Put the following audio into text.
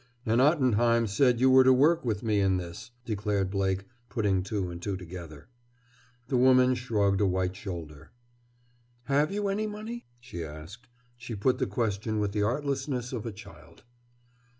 "And Ottenheim said you were to work with me in this," declared Blake, putting two and two together. The woman shrugged a white shoulder. "Have you any money?" she asked. She put the question with the artlessness of a child.